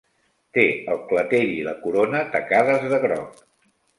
Té el clatell i la corona tacades de groc.